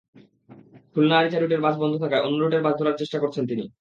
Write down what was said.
খুলনা-আরিচা রুটের বাস বন্ধ থাকায় অন্য রুটের বাস ধরার চেষ্টা করছেন তিনি।